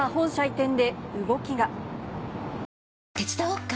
手伝おっか？